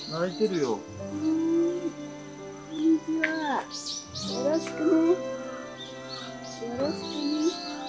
よろしくね。